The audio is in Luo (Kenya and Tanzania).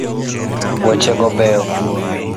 Wuoche go beyo kuomi